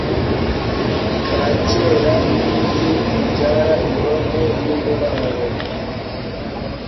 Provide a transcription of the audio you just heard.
kakera n'ibiti bibyara imibavu y'indobanure